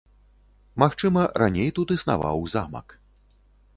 Магчыма, раней тут існаваў замак.